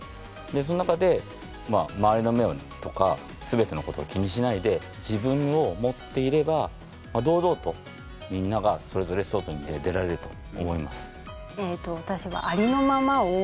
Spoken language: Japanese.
その中で周りの目とか全てのことを気にしないで自分を持っていれば堂々とみんながそれぞれ外に出られると思います。